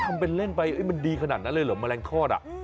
ทำเป็นเล่นไปมันดีขนาดนั้นเลยเหรอแมลงทอด